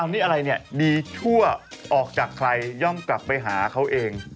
นี่อะไรเนี่ยดีชั่วออกจากใครย่อมกลับไปหาเขาเอง